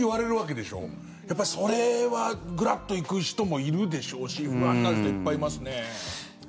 やっぱりそれはグラッといく人もいるでしょうし不安になる人いっぱいいますね。